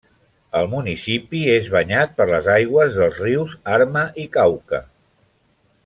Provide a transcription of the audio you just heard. El municipi és banyat per les aigües dels rius Arma i Cauca.